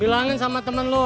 bilangin sama temen lo